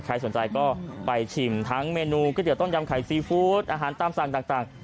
ใครสนใจก็ไปชิมทั้งเมนูก๋วยเตี๋ต้มยำไข่ซีฟู้ดอาหารตามสั่งต่าง